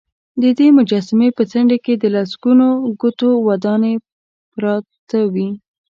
ددې مجسمې په څنډې کې د لسګونو کوټو ودانې پراته وې.